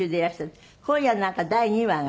今夜なんか第２話が？